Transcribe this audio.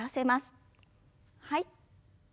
はい。